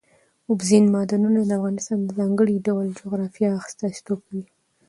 اوبزین معدنونه د افغانستان د ځانګړي ډول جغرافیه استازیتوب کوي.